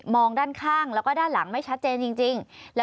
องด้านข้างแล้วก็ด้านหลังไม่ชัดเจนจริง